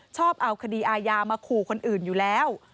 ชอบเอาคดีอาญามาขู่คนอื่นอยู่แล้ว